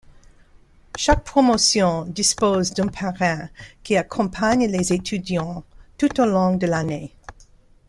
Chaque promotion dispose d'un parrain qui accompagne les étudiants tout au long de l'année.